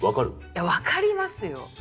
いや分かりますよ。